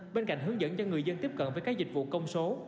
bên cạnh hướng dẫn cho người dân tiếp cận với các dịch vụ công số